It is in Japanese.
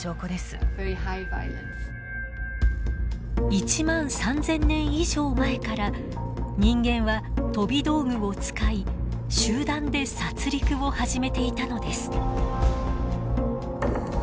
１万３，０００年以上前から人間は飛び道具を使い集団で殺戮を始めていたのです。